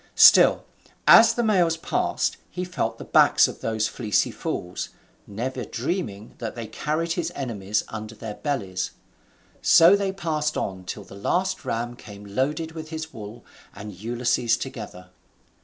Still, as the males passed, he felt the backs of those fleecy fools, never dreaming that they carried his enemies under their bellies; so they passed on till the last ram came loaded with his wool and Ulysses together.